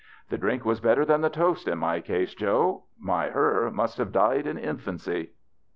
" The drink was better than the toast in my case, Joe. My her must have died in infancy."